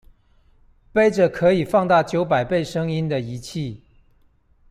揹著可以放大九百倍聲音的儀器